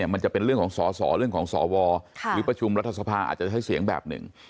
มันจะเป็นเรื่องของสอสอเรื่องของสวหรือประชุมรัฐสภาอาจจะใช้เสียงแบบหนึ่ง